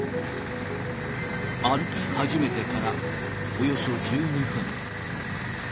歩き始めてからおよそ１２分。